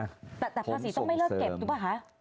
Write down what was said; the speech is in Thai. ผมส่งเสริมแต่ภาษีต้องไม่เลิกเก็บดูปะคะ